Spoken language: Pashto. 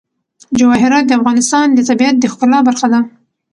جواهرات د افغانستان د طبیعت د ښکلا برخه ده.